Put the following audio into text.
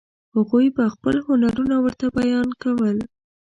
هغوی به خپل هنرونه ورته بیان کول.